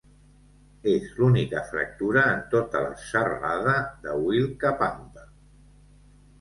És l'única fractura en tota la serralada de Willkapampa.